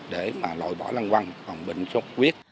để mà lội bỏ lăn quăng phòng bệnh xuất huyết